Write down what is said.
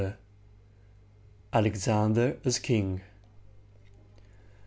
XCIII. ALEXANDER AS KING.